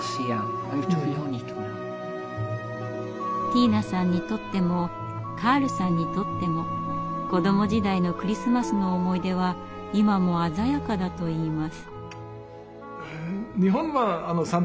ティーナさんにとってもカールさんにとっても子ども時代のクリスマスの思い出は今も鮮やかだといいます。